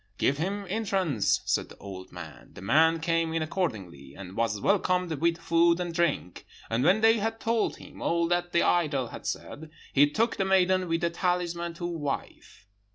"'Give him entrance!' said the old man. The man came in accordingly, and was welcomed with food and drink; and when they had told him all that the idol had said, he took the maiden with the talisman to wife.